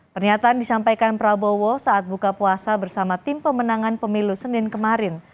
pernyataan disampaikan prabowo saat buka puasa bersama tim pemenangan pemilu senin kemarin